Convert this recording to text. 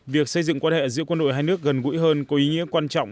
việc xây dựng quan hệ giữa quân đội hai nước gần gũi hơn có ý nghĩa quan trọng